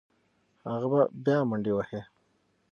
هغه به بیا منډې وهي.